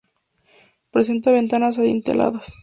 Presenta ventanas adinteladas.